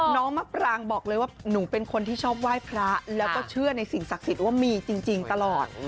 มะปรางบอกเลยว่าหนูเป็นคนที่ชอบไหว้พระแล้วก็เชื่อในสิ่งศักดิ์สิทธิ์ว่ามีจริงตลอด